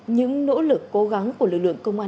những nỗ lực cố gắng của lực lượng công an